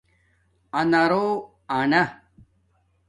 آنارݸ انݳ